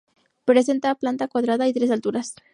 Presenta planta cuadrada y tres alturas.